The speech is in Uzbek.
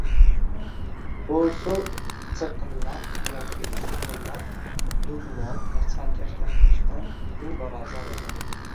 bu usul chirqillab yoki chug‘urlab dudmol va chalkash gapirishdan ming bor afzal edi.